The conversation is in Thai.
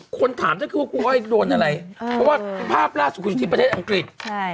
คนถามก็คือว่าครูอ้อยโดนอะไรเพราะว่าภาพล่าสุดคืออยู่ที่ประเทศอังกฤษ